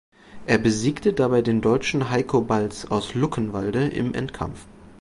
Er besiegte dabei den Deutschen Heiko Balz aus Luckenwalde im Endkampf.